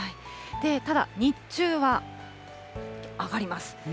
ただ日中は、上がります。